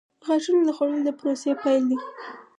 • غاښونه د خوړلو د پروسې پیل دی.